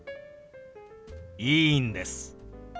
いいんです。